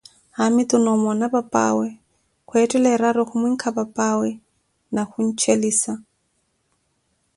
haamitu na omona papaawe kwetthela eraaro khumwinka papawe na khunchelisa.